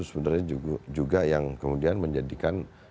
sebenarnya juga yang kemudian menjadikan